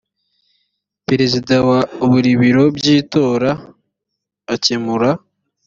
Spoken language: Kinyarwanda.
perezida wa buri biro by itora akemura